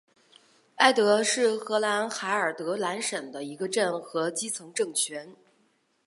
埃德是荷兰海尔德兰省的一个镇和基层政权。